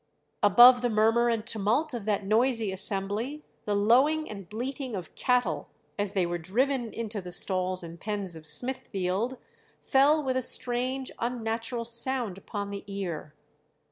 "Above the murmur and tumult of that noisy assembly, the lowing and bleating of cattle as they were driven into the stalls and pens of Smithfield fell with a strange unnatural sound upon the ear....